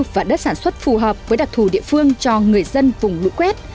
và đất sản xuất phù hợp với đặc thù địa phương cho người dân vùng lũ quét